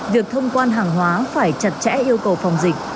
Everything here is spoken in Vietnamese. việc thông quan hàng hóa phải chặt chẽ yêu cầu phòng dịch